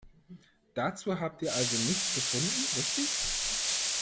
Dazu habt ihr also nichts gefunden, richtig?